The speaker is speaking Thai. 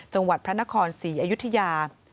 จังหวัดพระนครศรีอยุธยา